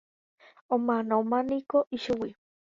Omanómaniko ichugui.